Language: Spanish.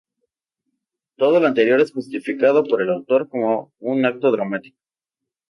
Todo lo anterior es justificado por el autor como un acto dramático.